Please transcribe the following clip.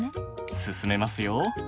進めますよ。